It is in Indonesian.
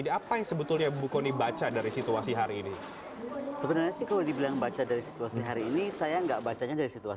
dari sebelum sebelumnya bahkan